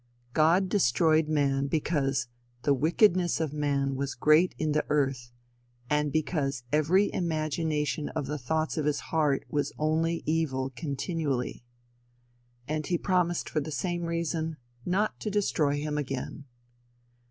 God destroyed man because "the wickedness of man was great in the earth, and because every imagination of the thoughts of his heart was only evil continually." And he promised for the same reason not to destroy him again.